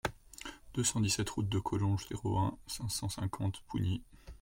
deux cent dix-sept route de Collonges, zéro un, cinq cent cinquante Pougny